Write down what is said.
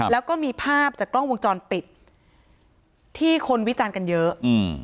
แล้วก็มีภาพจากกล้องวงจรปิดที่คนวิจารณ์กันเยอะอืม